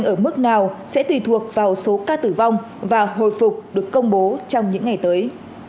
ở mức nào sẽ tùy thuộc vào số ca tử vong và hồi phục được công bố trong những ngày tới